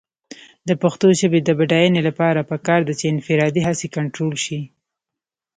د پښتو ژبې د بډاینې لپاره پکار ده چې انفرادي هڅې کنټرول شي.